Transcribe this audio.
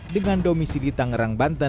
dengan domisi di tangerang banten